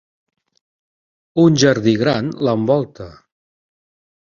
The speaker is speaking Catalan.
Un jardí gran l'envolta.